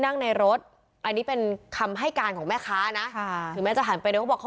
อย่างน้อยนี้เป็นคำให้กาลของแม่ค้าเนี่ย